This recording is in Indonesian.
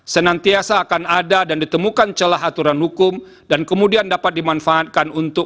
senantiasa akan ada dan ditemukan celah aturan hukum dan kemudian dapat dimanfaatkan untuk